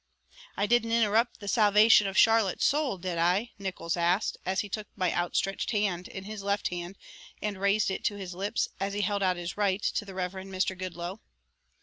"I didn't interrupt the salvation of Charlotte's soul, did I?" Nickols asked, as he took my outstretched hand in his left hand and raised it to his lips as he held out his right to the Reverend Mr. Goodloe.